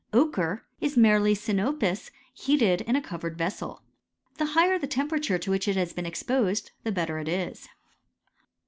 Ochre is merely sinopis heated in a covered vessel. The higher the temperature to which it has been ex posed the better it is.